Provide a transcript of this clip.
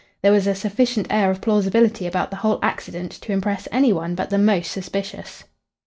There was a sufficient air of plausibility about the whole accident to impress any one but the most suspicious.